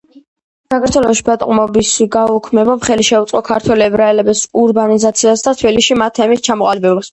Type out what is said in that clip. საქართველოში ბატონყმობის გაუქმებამ ხელი შეუწყო ქართველი ებრაელების ურბანიზაციას და თბილისში მათი თემის ჩამოყალიბებას.